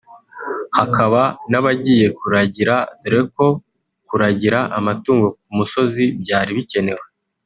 hakaba n’abagiye kuragira dore ko kuragira amatungo ku musozi byari bikemewe